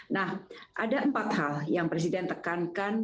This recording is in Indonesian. nah ada empat hal yang presiden tekankan